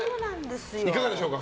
いかがでしょうか。